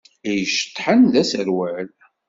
I iceṭṭḥen d aserwal.